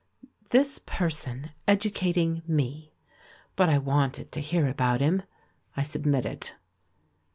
This person educating me! But I wanted to hear about him ; I submitted.